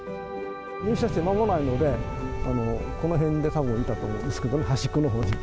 入社して間もないので、この辺でたぶんいたと思うんですけどね、端っこのほうに。